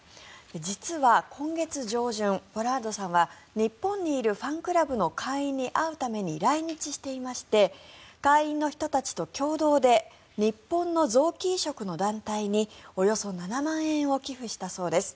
実は今月上旬、ポラードさんは日本にいるファンクラブの会員に会うために来日していまして会員の人たちと共同で日本の臓器移植の団体におよそ７万円を寄付したそうです。